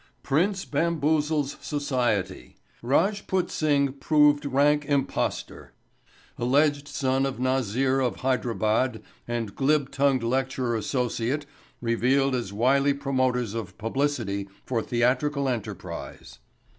PRINCE BAMBOOZLES SOCIETY; RAJPUT SINGH PROVED RANK IMPOSTER –––– Alleged Son of Nazir of Hydrabad and Glib Tongued Lecturer Associate Revealed as Wily Promoters of Publicity for Theatrical Enterprise.